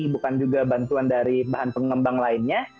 bukan juga bantuan dari bahan pengembang lainnya